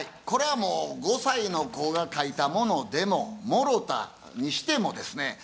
これはもう５歳の子が描いたものでももろたにしてもですね